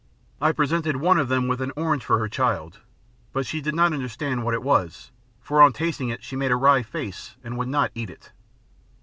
I presented one of them with an orange for her child, but she did not understand what it was for on tasting it she made a wry face and would not eat it.